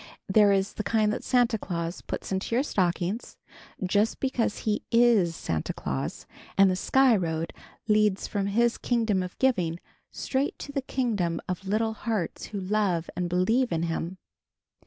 There is the kind that Santa Claus puts into your stocking, just because he is Santa Claus, and the Sky Road leads from his Kingdom of Giving straight to the kingdom of little hearts who love and believe in him.